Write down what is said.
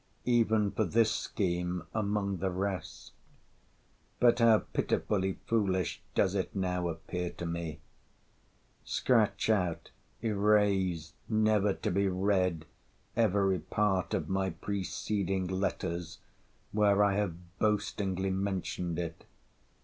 Even for this scheme among the rest! But how pitifully foolish does it now appear to me!—Scratch out, erase, never to be read, every part of my preceding letters, where I have boastingly mentioned it.